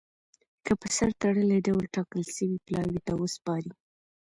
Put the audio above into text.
کي په سر تړلي ډول ټاکل سوي پلاوي ته وسپاري.